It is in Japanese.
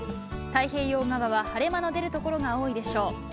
太平洋側は晴れ間の出る所が多いでしょう。